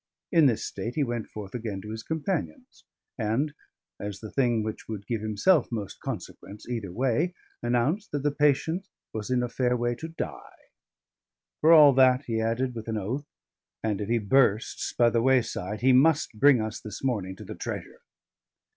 In this state he went forth again to his companions; and (as the thing which would give himself most consequence either way) announced that the patient was in a fair way to die. "For all that," he added, with an oath, "and if he bursts by the wayside, he must bring us this morning to the treasure."